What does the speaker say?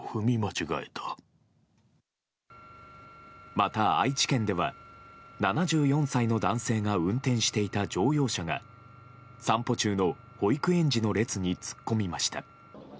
また、愛知県では７４歳の男性が運転していた乗用車が散歩中の保育園児の列に突っ込みました。